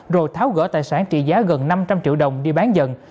rồi tháo gỡ tài sản trị giá gần năm trăm linh triệu đồng đi bán dần